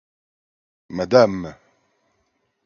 madame!